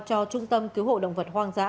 cho trung tâm cứu hộ động vật hoang dã